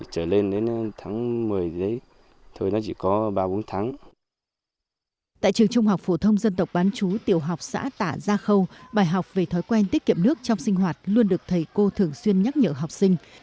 tại trường trung học phổ thông dân tộc bán chú tiểu học xã tả gia khâu bài học về thói quen tiết kiệm nước trong sinh hoạt luôn được thầy cô thường xuyên nhắc nhở học sinh